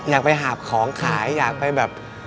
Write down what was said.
อยากไปหาบของขายอยากไปแบบ